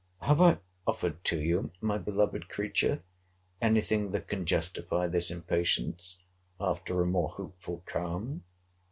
— Have I offered to you, my beloved creature, any thing that can justify this impatience after a more hopeful calm?